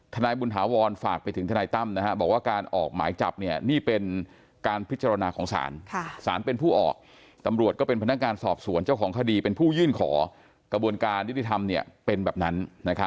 นายบุญถาวรฝากไปถึงทนายตั้มบอกว่าการออกหมายจับนี่เป็นการพิจารณาของศาลศาลเป็นผู้ออกตำรวจก็เป็นพนักงานสอบสวนเจ้าของคดีเป็นผู้ยื่นขอกระบวนการยุติธรรมเป็นแบบนั้น